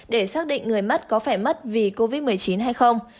để xác định người mất có phải mất vì covid một mươi chín hay không